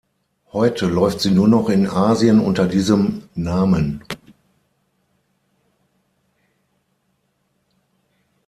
Heute läuft sie nur noch in Asien unter diesem Namen.